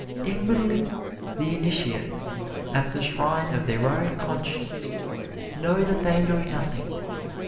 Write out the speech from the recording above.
Inwardly the initiates at the shrine of their own conscience know that they know nothing.